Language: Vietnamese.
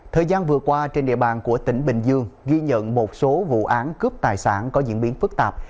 thời gian vừa qua trên địa bàn của tỉnh bình dương ghi nhận một số vụ án cướp tài sản có diễn biến phức tạp